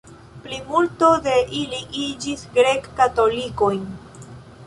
Plimulto de ili iĝis grek-katolikojn.